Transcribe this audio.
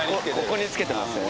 ここにつけてますね